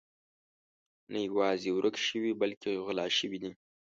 نه یوازې ورک شوي بلکې غلا شوي دي.